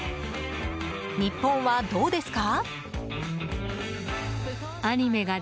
日本はどうですか？